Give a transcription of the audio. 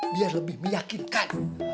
biar lebih meyakinkan